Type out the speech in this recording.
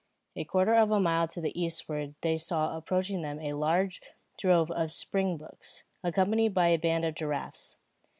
A quarter of a mile to the eastward they saw approaching them a large drove of springboks, accompanied by a band of giraffes.